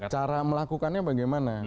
cara melakukannya bagaimana